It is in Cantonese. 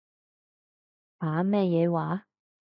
吓？咩嘢話？